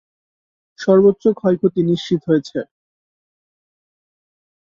সর্বোচ্চ ক্ষয়ক্ষতি নিশ্চিত হয়েছে।